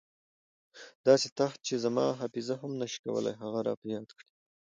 داسې تت چې زما حافظه هم نه شي کولای هغه را په یاد کړي.